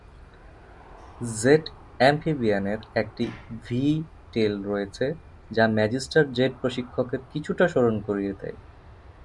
জেট-অ্যাম্ফিবিয়ানের একটি ভি-টেল রয়েছে, যা ম্যাজিস্টার জেট প্রশিক্ষকের কিছুটা স্মরণ করিয়ে দেয়।